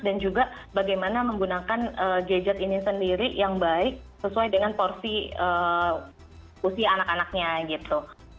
juga bagaimana menggunakan gadget ini sendiri yang baik sesuai dengan porsi usia anak anaknya gitu